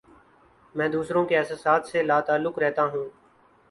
میں دوسروں کے احساسات سے لا تعلق رہتا ہوں